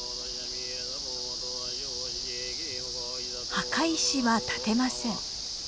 墓石は建てません。